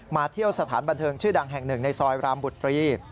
เที่ยวสถานบันเทิงชื่อดังแห่งหนึ่งในซอยรามบุตรี